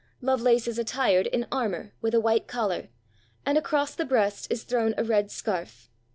Lovelace is attired in armour, with a white collar, and across the breast is thrown a red scarf.